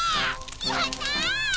やった！